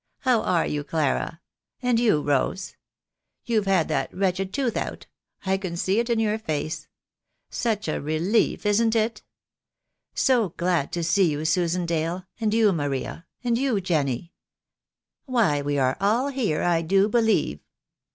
How are you, Clara? and you, Rose? You've had that wretched tooth out — I can see it in your face. Such a relief, isn't it? So glad to see you, Susan Dale, and you, Maria, and you, Jenny. Why we are all here, I do believe."